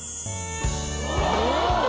うわ！